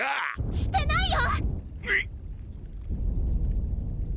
してないよ！